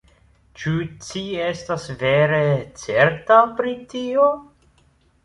ĉu ci estas vere certa pri tio?